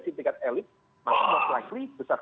di tingkat elit maka most likely